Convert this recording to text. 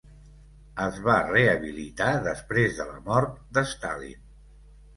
Es va rehabilitar després de la mort d'Stalin.